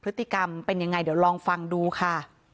พฤติกรรมเป็นยังไงเดี๋ยวลองฟังดูค่ะ